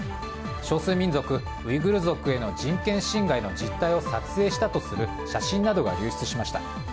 少数民族ウイグル族への人権侵害の実態を撮影したとする写真などが流出しました。